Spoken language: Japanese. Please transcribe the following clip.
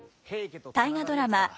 大河ドラマ